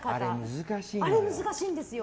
あれ、難しいんだよ。